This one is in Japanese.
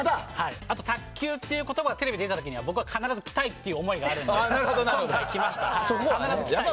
あとは、卓球って言葉がテレビで出た時には僕は必ず、来たいという思いがあるので、今回来ました。